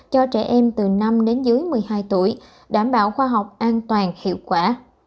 cho trẻ em từ năm đến dưới một mươi hai tuổi đảm bảo khoa học an toàn hiệu quả